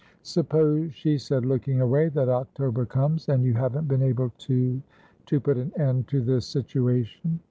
"Suppose," she said, looking away, "that October comes, and you haven't been able toto put an end to this situation?"